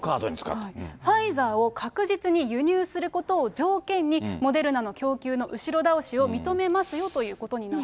ファイザーを確実に輸入することを条件に、モデルナの供給の後ろ倒しを認めますよということになった。